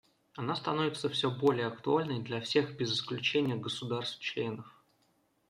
Она становится все более актуальной для всех без исключения государств-членов.